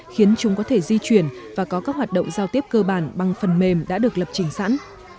khiến chúng có thể di chuyển và có các hoạt động giao tiếp cơ bản bằng phần mềm đã được lập trình sẵn